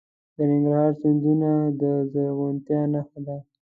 د ننګرهار سیندونه د زرغونتیا نښه ده.